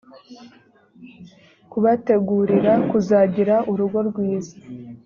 kubategurira kuzagira urugo rwiza